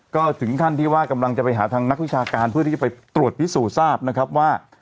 ก็ถึงขั้นที่ว่ากำลังจะไปหาทางนักวิชาการเพื่อที่จะไปตรวจพิสูจน์ทราบนะครับว่า